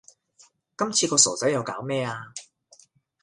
今次個傻仔又搞咩呀